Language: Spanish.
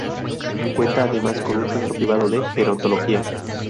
Cuenta además con un centro privado de gerontología.